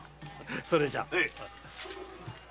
それじゃ。